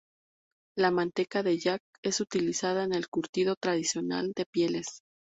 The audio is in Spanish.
La manteca de yak es utilizada en el curtido tradicional de pieles.